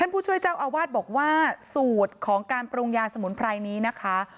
ผู้ช่วยเจ้าอาวาสบอกว่าสูตรของการปรุงยาสมุนไพรนี้นะคะ